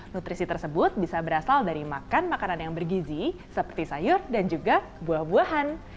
nutrisi tersebut bisa berasal dari makan makanan yang bergizi seperti sayur dan juga buah buahan